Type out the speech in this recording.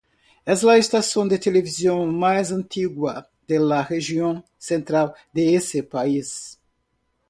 Es la estación de televisión más antigua de la región central de ese país.